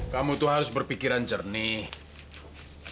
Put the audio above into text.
kamu tuh harus berpikiran jernih